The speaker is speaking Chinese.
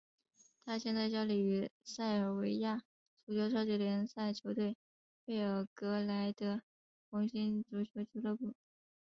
他现在效力于塞尔维亚足球超级联赛球队贝尔格莱德红星足球俱乐部。